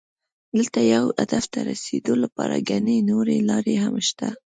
دلته یو هدف ته رسېدو لپاره ګڼې نورې لارې هم شته.